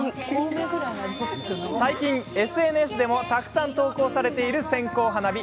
最近ＳＮＳでもたくさん投稿されている線香花火。